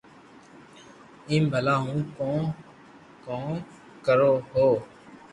ايم ڀلا ھون ڪو ڪرو ھون